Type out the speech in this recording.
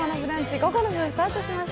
午後の部スタートしました。